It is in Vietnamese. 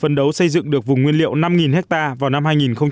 phần đấu xây dựng được vùng nguyên liệu năm hectare vào năm hai nghìn hai mươi một